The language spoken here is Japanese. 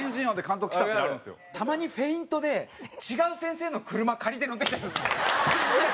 たまにフェイントで違う先生の車借りて乗ってきたり。